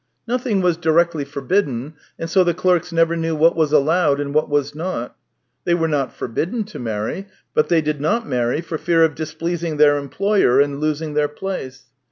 Nothing was directly forbidden, and so the clerks never knew what was allowed, and what was not. They were not forbidden to marry, but they did not marry for fear of dis pleasing their employer and losing their place.